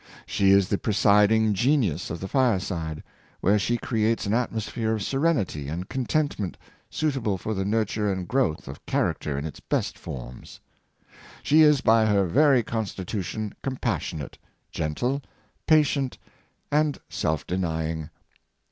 She is the presiding genius of the fire side, where she creates an atmosphere of serenity and contentment suitable for the nurture and growth of character in its best forms. She is by her very con stitution compassionate, gentle, patient, and self deny ing.